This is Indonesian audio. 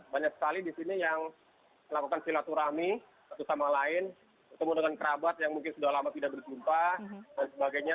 banyak sekali di sini yang melakukan silaturahmi satu sama lain ketemu dengan kerabat yang mungkin sudah lama tidak berjumpa dan sebagainya